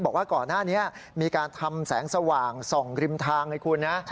บอกว่าก่อนหน้านี้มีการทำแสงสว่างส่องริมทางให้คุณนะ